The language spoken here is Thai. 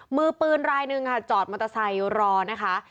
มือปืนรายหนึ่งค่ะจอดมอเตอร์ไซค์รอนะคะ